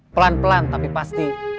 pelan pelan tapi pasti